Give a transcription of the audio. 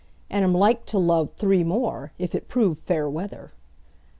And am like to love three more, If it prove fair weather.